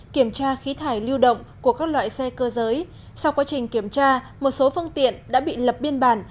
kiểm tra khí thải lưu động của các loại xe cơ giới sau quá trình kiểm tra một số phương tiện đã bị lập biên bản